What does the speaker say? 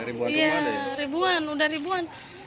ribuan sudah ribuan